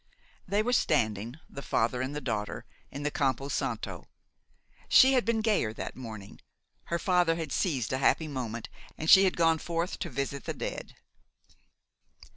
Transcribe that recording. They were standing, the father and the daughter, in the Campo Santo. She had been gayer that morning; her father had seized a happy moment, and she had gone forth, to visit the dead.